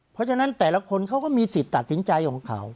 เพราะฉะนั้นแต่ละคนเขาก็มีสิทธิ์ตัดสินใจของเขา